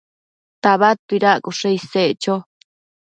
tabadtuaccoshe isec cho